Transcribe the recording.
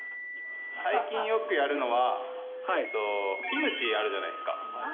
最近よくやるのは、キムチあるじゃないですか。